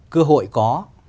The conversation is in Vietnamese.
cơ hội có